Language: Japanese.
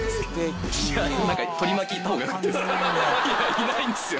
いないんですよ